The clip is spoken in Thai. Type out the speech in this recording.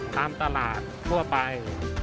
ตามตลาดทั่วไป